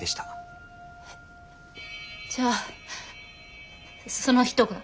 えじゃあその人が？